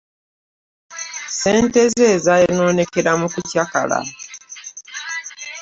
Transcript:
Ssente ze zaayonoonekera mu kukyakala.